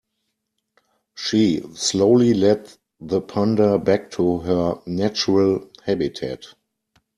She slowly led the panda back to her natural habitat.